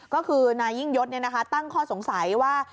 ก็คือนายยิ่งยศตั้งข้อสงสัยว่า